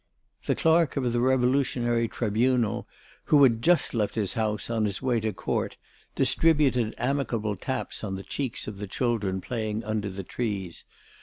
The Clerk of the Revolutionary Tribunal, who had just left his house on his way to Court, distributed amicable taps on the cheeks of the children playing under the trees.